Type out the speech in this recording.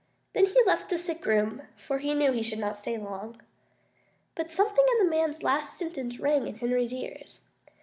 Then he left the sick room, for he knew he should not stay long. But something in the man's last sentence rang in Henry's ears.